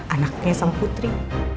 anaknya sama putri